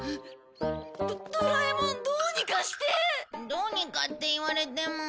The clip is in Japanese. どうにかって言われても。